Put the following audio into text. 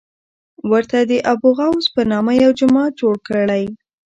ورته د ابوغوث په نامه یو جومات جوړ کړی.